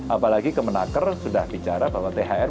apalagi kemenaker sudah bicara bahwa thr